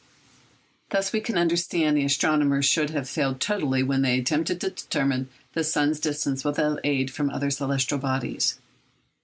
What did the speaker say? Thus we can understand that astronomers should have failed totally when they attempted to determine the sun's distance without aid from the other celestial bodies.